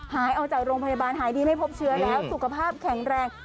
หายออกจากโรงพยาบาลหายดีไม่พบเชื้อแล้วสุขภาพแข็งแรง